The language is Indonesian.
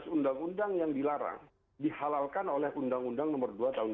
dua belas undang undang yang dilarang dihalalkan oleh undang undang nomor dua tahun dua ribu dua puluh